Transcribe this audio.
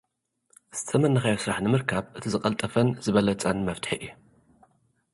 ዝተመነኻዮ ስራሕ ንምርካብ፡ እቲ ዝቐልጠፈን ዝበለጸን መፍትሒ'ዩ!